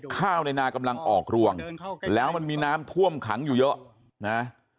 ข้าวในนากำลังออกรวงแล้วมันมีน้ำท่วมขังอยู่เยอะนะ